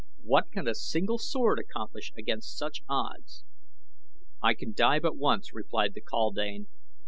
"What can a single sword accomplish against such odds?" "I can die but once," replied the kaldane.